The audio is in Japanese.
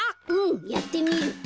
うんやってみる！